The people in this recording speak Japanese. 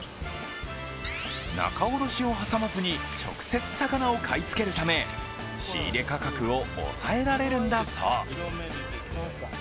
仲卸を挟まずに直接魚を買い付けるため仕入価格を抑えられるんだそう。